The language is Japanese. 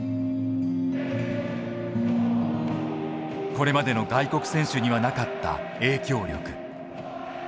これまでの外国選手にはなかった影響力。